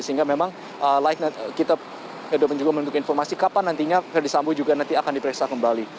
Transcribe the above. sehingga memang kita juga menunjukkan informasi kapan nantinya verdi sambo juga nanti akan diperiksa kembali